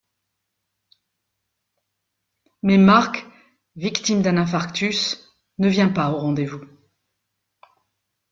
Mais Marc, victime d'un infarctus, ne vient pas au rendez-vous.